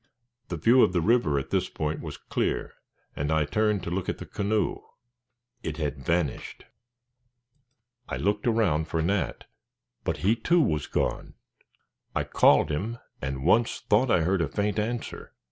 The view of the river at this point was clear, and I turned to look at the canoe. It had vanished! I looked around for Nat, but he too, was gone. I called him, and once thought I heard a faint answer.